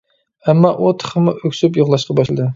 ئەمما ئۇ تېخىمۇ ئۆكسۈپ يىغلاشقا باشلىدى.